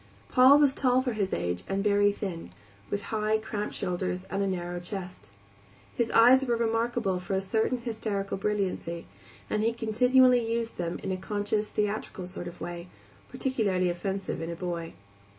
Paul was tall for his age and very thin, with high, cramped shoulders and a narrow chest. His eyes were remarkable for a certain hysterical brilliancy, and he continually used them in a conscious, theatrical sort of way, peculiarly offensive in a boy.